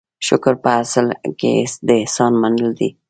شکر په اصل کې د احسان منل دي.